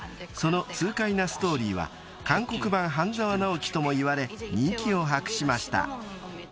［その痛快なストーリーは韓国版『半沢直樹』ともいわれ人気を博しました］